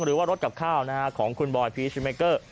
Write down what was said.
หรือว่ารถกับข้าวของคุณบอยพีชเมเกอร์